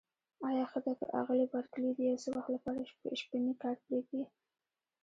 آیا ښه ده که آغلې بارکلي د یو څه وخت لپاره شپنی کار پرېږدي؟